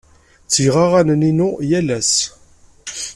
Ttgeɣ aɣanen-inu yal ass.